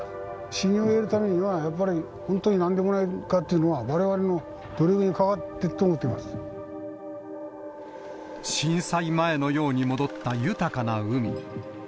信用を得るためにはやっぱり、本当になんでもないかっていうのは、われわれの努力にかかってい震災前のように戻った豊かな海。